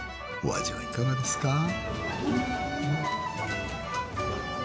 お味はいかがですか？